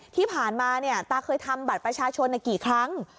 ที่ผ่านมาตาเคยทำบัตรประชาชนกี่ครั้ง